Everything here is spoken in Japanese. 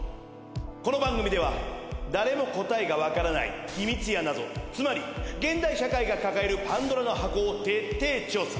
この番組では誰も答えがわからない秘密や謎つまり現代社会が抱えるパンドラの箱を徹底調査。